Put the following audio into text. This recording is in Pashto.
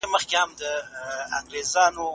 د الوتکې کړکۍ ته نږدې کېناستل زما پخوانی شوق دی.